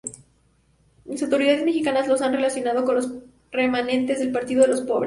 Las autoridades mexicanas los han relacionado con los remanentes del Partido de los Pobres.